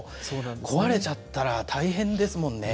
壊れちゃったら大変ですもんね。